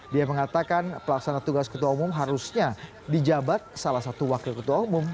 dia mengatakan pelaksana tugas ketua umum harusnya di jabat salah satu wakil ketua umum